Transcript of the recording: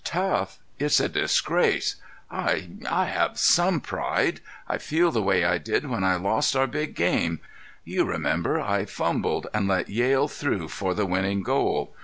"Tough? It's a disgrace. I—I have some pride. I feel the way I did when I lost our big game. You remember I fumbled and let Yale through for the winning goal.